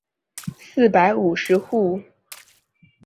四百五十户。